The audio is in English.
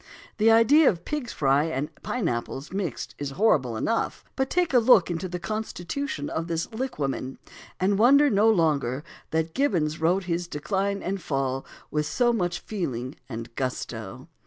The idea of pig's fry and pine apples mixed is horrible enough; but take a look into the constitution of this liquamen, and wonder no longer that Gibbons wrote his Decline and Fall with so much feeling and gusto.